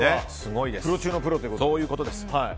プロ中のプロということで。